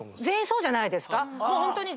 全員そうじゃないですか？